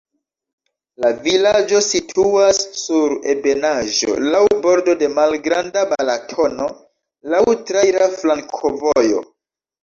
La vilaĝo situas sur ebenaĵo, laŭ bordo de Malgranda Balatono, laŭ traira flankovojo.